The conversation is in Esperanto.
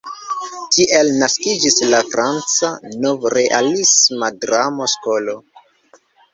Tiel naskiĝis la franca nov-realisma dramo-skolo.